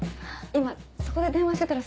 今そこで電話してたらさ